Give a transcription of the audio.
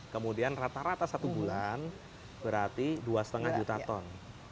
kemudian rata rata satu bulan berarti dua lima juta ton